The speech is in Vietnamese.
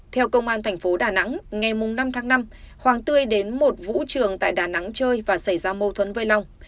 theo công an thành phố đà nẵng ngày năm tháng năm hoàng tươi đến một vũ trường tại đà nẵng chơi và xảy ra mâu thuẫn với long